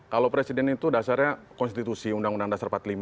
kalau presiden itu dasarnya konstitusi undang undang dasar empat puluh lima